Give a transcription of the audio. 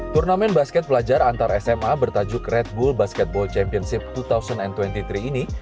turnamen basket pelajar antar sma bertajuk red bull basketball championship dua ribu dua puluh tiga ini